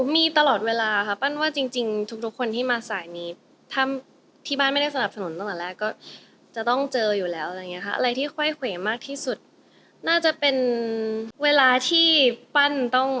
มีตลอดเวลาค่ะปั้นว่าจริงทุกคนที่มาสายนี้ถ้าที่บ้านไม่ได้สนับสนุนตั้งแต่แรกก็จะต้องเจออยู่แล้วอะไรอย่างนี้ค่ะอะไรที่ค่อยเขวมากที่สุดน่าจะเป็นเวลาที่ปั้นต้อง